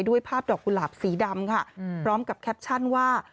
ด้วยภาพดอกกุหลาบสีดำค่ะพร้อมกับแคปชั่นว่า